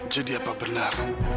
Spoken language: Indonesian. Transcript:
jadi apa benar